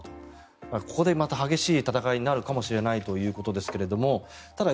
ここでまた激しい戦いになるかもしれないということですがただ、